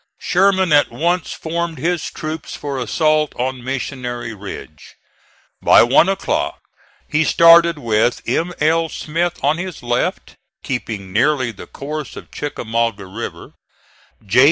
Sherman at once formed his troops for assault on Missionary Ridge. By one o'clock he started with M. L. Smith on his left, keeping nearly the course of Chickamauga River; J.